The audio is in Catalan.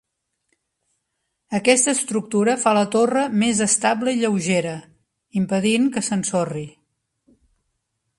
Aquesta estructura fa la torre més estable i lleugera, impedint que s'ensorri.